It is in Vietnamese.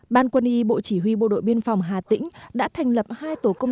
ban quân y bộ chỉ huy bộ đội biên phòng hà tĩnh đã thành lập hai tổ công